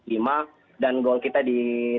dan alhamdulillah kajian dan penelitian kita sudah diterima